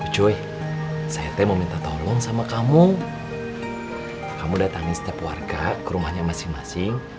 joy saya mau minta tolong sama kamu kamu datangin setiap warga ke rumahnya masing masing